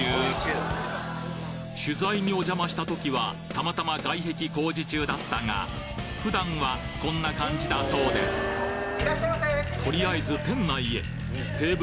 取材にお邪魔した時はたまたま外壁工事中だったが普段はこんな感じだそうですいらっしゃいませ！